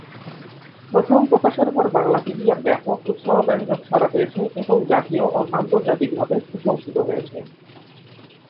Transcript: প্রথম প্রকাশের পর বাংলাপিডিয়া ব্যাপক উৎসাহব্যঞ্জক সাড়া পেয়েছে এবং জাতীয় ও আন্তর্জাতিকভাবে প্রশংসিত হয়েছে।